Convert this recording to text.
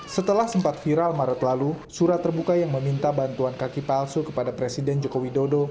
setelah sempat viral maret lalu surat terbuka yang meminta bantuan kaki palsu kepada presiden joko widodo